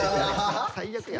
最悪や。